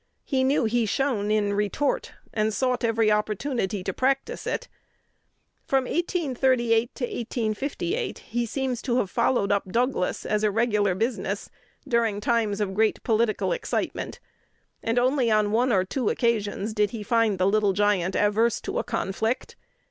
He knew he shone in retort, and sought every opportunity to practise it. From 1838 to 1858, he seems to have followed up Douglas as a regular business during times of great political excitement, and only on one or two occasions did he find the "Little Giant" averse to a conflict.